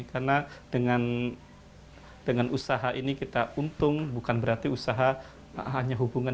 karena dengan usaha ini kita untung bukan berarti usaha hanya hubungan